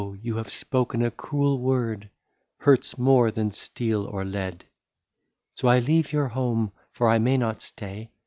you have spoken a cruel word — Hurts more than steel or lead. " So I leave your home, — for I may not stay.